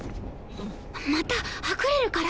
またはぐれるから！